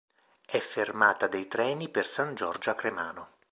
È fermata dei treni per San Giorgio a Cremano.